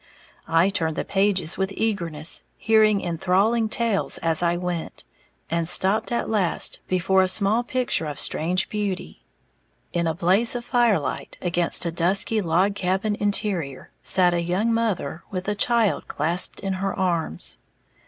I turned the pages with eagerness, hearing enthralling tales as I went, and stopped at last before a small picture of strange beauty. In a blaze of firelight, against a dusky log cabin interior, sat a young mother with a child clasped in her arms.